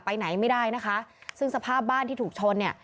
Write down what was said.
ไปไหนไม่ได้นะคะซึ่งสภาพบ้านที่ถูกชนเนี่ย